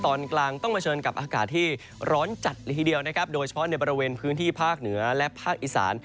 ที่สมัครกลางต้องมาเชิญกับอากาศที่ร้อนจัด่วนทีครั้งเดียวโดยเฉพาะในบริเวณพื้นที่ผ้าเหนือและอีซาน